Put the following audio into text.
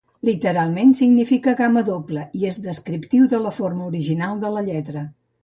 Literalment significa "gamma doble" i és descriptiu de la forma original de la lletra.